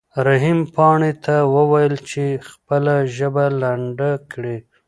رحیم پاڼې ته وویل چې خپله ژبه لنډه کړي.